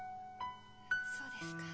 そうですか。